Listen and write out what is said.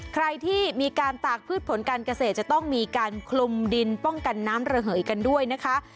ใครที่มีการตากพืชผลการเกษตรจะต้องมีการคลุมดินป้องกันน้ำระเหยกันด้วยนะคะ